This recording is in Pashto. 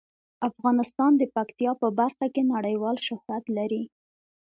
افغانستان د پکتیا په برخه کې نړیوال شهرت لري.